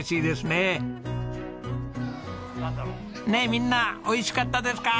ねえみんなおいしかったですか？